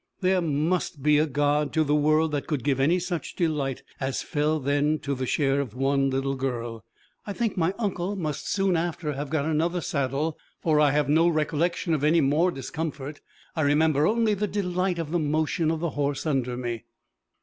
There must be a God to the world that could give any such delight as fell then to the share of one little girl! I think my uncle must soon after have got another saddle, for I have no recollection of any more discomfort; I remember only the delight of the motion of the horse under me.